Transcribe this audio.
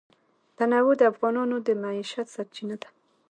تنوع د افغانانو د معیشت سرچینه ده.